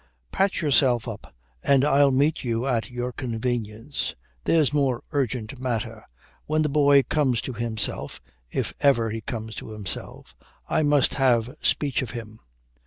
Patch yourself up and I'll meet you at your convenience. There's more urgent matter. When the boy comes to himself if ever he comes to himself I must have speech of him."